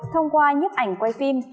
thông qua nhấp ảnh quay phim